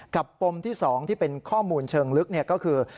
กับปมที่๒ที่เป็นข้อมูลเชิงลึกเนี่ยก็คือ